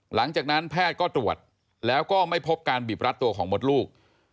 หลังจากนั้นแพทย์ก็ตรวจแล้วก็ไม่พบการบีบรัดตัวของมดลูก